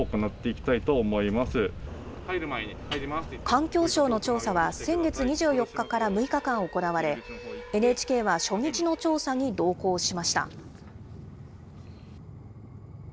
環境省の調査は先月２４日から６日間行われ、ＮＨＫは初日の調査に同行しました。